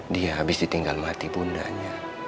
dia habis ditinggal mati pundanya